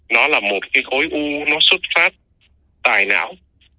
nó là một cái khối u nó xuất phát tài não